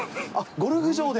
ゴルフ場で？